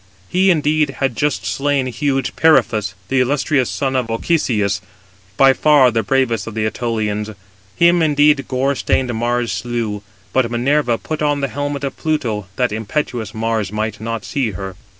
He, indeed, had just slain huge Periphas, the illustrious son of Ochesius, by far the bravest of the Ætolians. Him indeed gore stained Mars slew; but Minerva put on the helmet of Pluto that impetuous Mars might not see her.